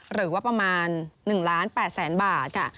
หรือว่าประมาณ๑ล้าน๘แสนบาทค่ะ